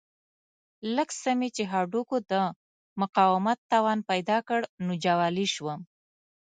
لږ څه مې چې هډوکو د مقاومت توان پیدا کړ نو جوالي شوم.